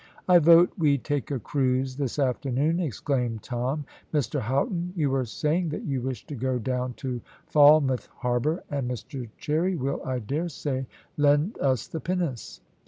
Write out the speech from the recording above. "I vote we take a cruise this afternoon," exclaimed Tom. "Mr Houghton, you were saying that you wished to go down to Falmouth Harbour, and Mr Cherry will, I daresay, lend us the pinnace.